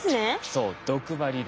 そう毒針です。